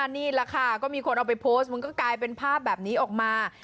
นี่แหละค่ะก็มีคนเอาไปโพสต์มันก็กลายเป็นภาพแบบนี้ออกมา